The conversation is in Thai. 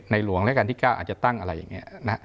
หลวงราชการที่๙อาจจะตั้งอะไรอย่างนี้นะ